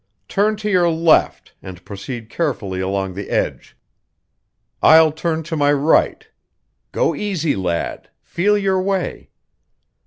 "Turn to your left and proceed carefully along the edge. I'll turn to my right. Go easy, lad; feel your way."